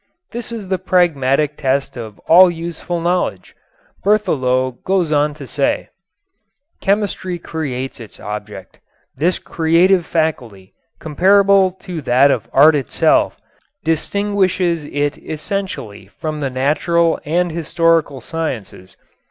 This is the pragmatic test of all useful knowledge. Berthelot goes on to say: Chemistry creates its object. This creative faculty, comparable to that of art itself, distinguishes it essentially from the natural and historical sciences....